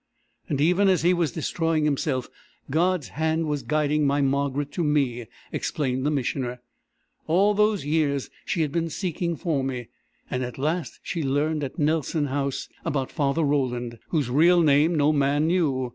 "And even as he was destroying himself, God's hand was guiding my Margaret to me," explained the Missioner. "All those years she had been seeking for me, and at last she learned at Nelson House about Father Roland, whose real name no man knew.